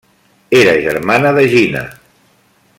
Era germana d'Egina.